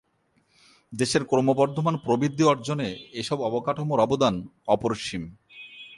দেশের ক্রমবর্ধমান প্রবৃদ্ধি অর্জনে এসব অবকাঠামোর অবদান অপরিসীম।